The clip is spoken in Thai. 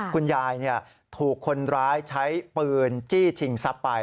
คุณยายถูกคนร้ายใช้ปืนจี้ชิงทรัพย์ไป